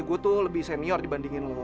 gue tuh lebih senior dibandingin